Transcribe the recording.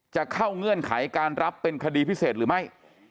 จะเข้าเงื่อนไขการรับเป็นคดีพิเศษหรือไม่